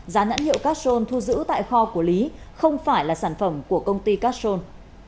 giá nhãn hiệu cachon thu giữ tại kho của lý không phải là sản phẩm của công ty cachon